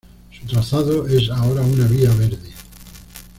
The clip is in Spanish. Su trazado es ahora una vía verde.